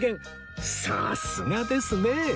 さすがですね！